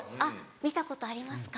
見たことありますか？